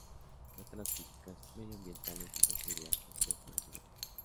Trata las políticas medioambientales y de seguridad regidas por el gobierno.